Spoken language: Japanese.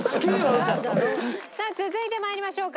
さあ続いてまいりましょうか。